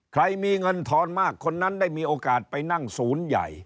ใครมีเงินทอนมากคนนั้นได้มีโอกาสไปนั่งศูนย์ใหญ่